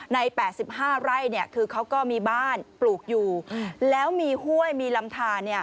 ใน๘๕ไร่คือเขาก็มีบ้านปลูกอยู่แล้วมีห้วยมีลำทาน